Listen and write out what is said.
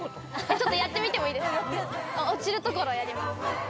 ちょっとやってみてもいいですか落ちるところやります